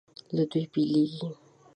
له دوی بېلېږي.